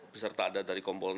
beserta ada dari komponen